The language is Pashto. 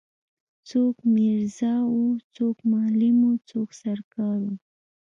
څوک میرزا وو څوک معلم وو څوک سر کار وو.